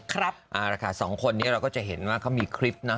ครับเอาละค่ะสองคนนี้เราก็จะเห็นว่าเขามีคลิปนะ